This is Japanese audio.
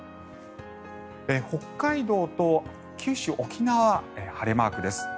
北海道と九州、沖縄は晴れマークです。